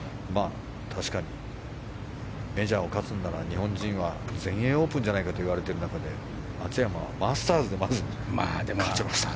確かに、メジャーを勝つのなら日本人は全英オープンじゃないかと言われている中で松山はマスターズで勝ちました。